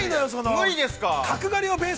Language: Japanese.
◆無理ですか。